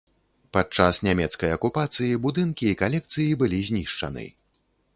Падчас нямецкай акупацыі будынкі і калекцыі былі знішчаны.